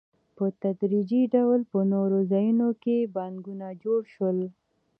په تدریجي ډول په نورو ځایونو کې بانکونه جوړ شول